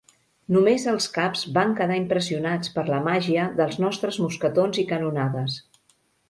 Només els caps van quedar impressionats per la màgia dels nostres mosquetons i canonades.